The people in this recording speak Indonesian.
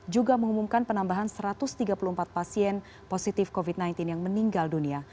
juga mengumumkan penambahan satu ratus tiga puluh empat pasien positif covid sembilan belas yang meninggal dunia